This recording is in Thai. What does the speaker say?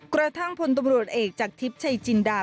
กระทั่งพลตำรวจเอกจากทิพย์ชัยจินดา